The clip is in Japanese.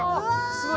すごい。